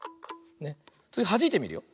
つぎはじいてみるよ。